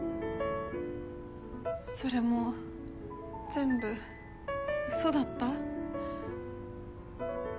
それも全部ウソだった？